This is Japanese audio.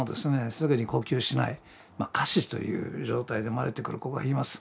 すぐに呼吸しない仮死という状態で生まれてくる子がいます。